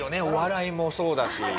お笑いもそうだし。